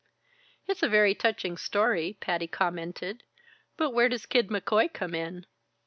"It's a very touching story," Patty commented, "but where does Kid McCoy come in?"